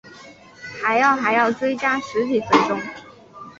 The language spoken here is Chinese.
还要还要追加十几分钟